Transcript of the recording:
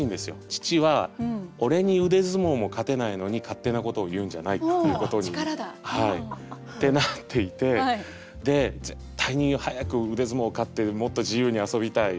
父は「俺に腕相撲も勝てないのに勝手なことを言うんじゃない！」っていうことになっていて絶対に早く腕相撲勝ってもっと自由に遊びたい。